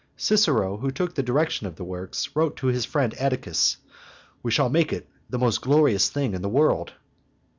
Cicero, who took the direction of the works, wrote to his friend Atticus, "We shall make it the most glorious thing in the world."